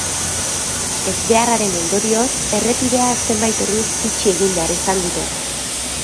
Ezbeharraren ondorioz errepidea zenbait orduz itxi egin behar izan dute.